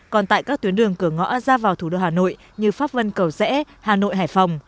còn tại các tuyến đường cửa ngõ ra vào thủ đô hà nội như pháp vân cầu rẽ hà nội hải phòng